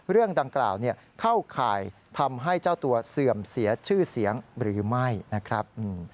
เรื่องดังกล่าวเข้าข่ายทำให้เจ้าตัวเสื่อมเสียชื่อเสียงหรือไม่นะครับ